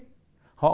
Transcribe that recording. họ không lo